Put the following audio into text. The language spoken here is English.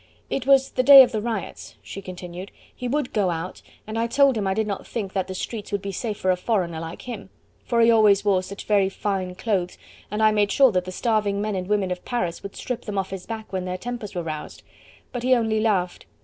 "It was the day of the riots," she continued; "he would go out, and I told him I did not think that the streets would be safe for a foreigner like him: for he always wore such very fine clothes, and I made sure that the starving men and women of Paris would strip them off his back when their tempers were roused. But he only laughed.